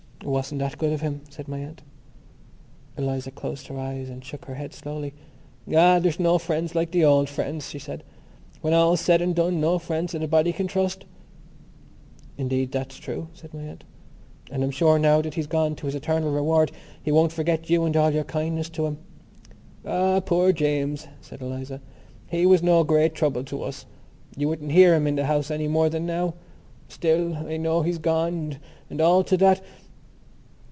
"Wasn't that good of him?" said my aunt. Eliza closed her eyes and shook her head slowly. "Ah, there's no friends like the old friends," she said, "when all is said and done, no friends that a body can trust." "Indeed, that's true," said my aunt. "And I'm sure now that he's gone to his eternal reward he won't forget you and all your kindness to him." "Ah, poor James!" said Eliza. "He was no great trouble to us. You wouldn't hear him in the house any more than now. Still, I know he's gone and all to that...."